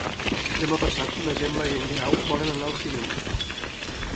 Demà passat na Gemma i en Guerau volen anar al cinema.